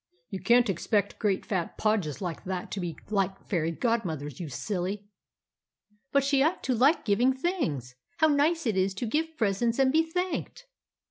"You can't expect great fat podges like that to be like fairy godmothers, you silly!" "But she ought to like giving things. How nice it is to give presents and be thanked!"